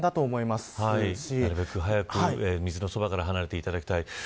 なるべく早く水の側から離れていただきたい。